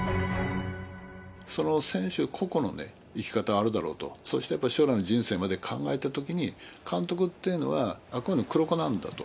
その選手個々の生き方はあるだろうと、そしてやっぱり将来の人生まで考えたときに、監督っていうのは、あくまでも黒子なんだと。